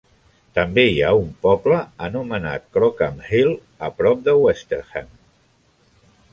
També hi ha un poble anomenat Crockham Hill a prop de Westerham.